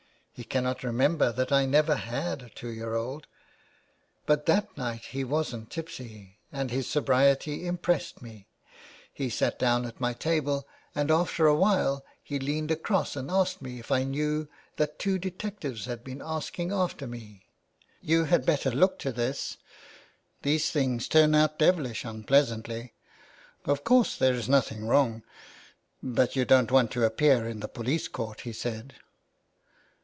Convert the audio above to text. He cannot remember that I never had a two year old. But that 407 THE WAY BACK. night he wasn't tipsy, and his sobriety impressed me ; he sat down at my table, and after a while he leaned across and asked me if I knew that two detec tives had been asking after me. 'You had better look to this. These things turn out devilish unpleasantly. Of course there is nothing wrong, but you don't want to appear in the police court,' he said."